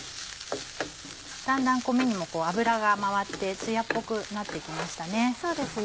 だんだん米にも油が回って艶っぽくなって来ましたね。